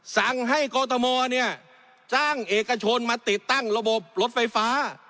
สั่งให้กรทมเนี่ยจ้างเอกชนมาติดตั้งระบบรถไฟฟ้า